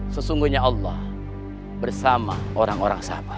sesungguhnya allah bersama orang orang sahabat